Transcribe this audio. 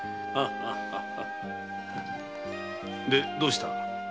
それでどうした？